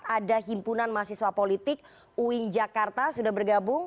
ada himpunan mahasiswa politik uin jakarta sudah bergabung